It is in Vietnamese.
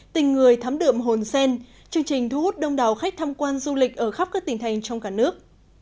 tình người thắm đượm hồn sen chương trình thu hút đông đảo khách tham quan du lịch ở khắp các tỉnh thành trong cả nước